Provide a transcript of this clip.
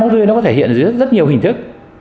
ru tươi nó có thể hiện dưới rất nhiều hình thức